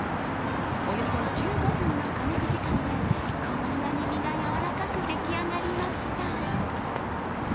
およそ１５分の加熱時間でこんなに身が軟らかく出来上がりました。